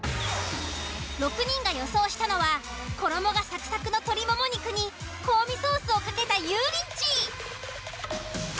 ６人が予想したのは衣がサクサクの鶏もも肉に香味ソースをかけた油淋鶏。